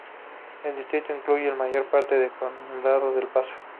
El distrito incluye la mayor parte del condado de El Paso.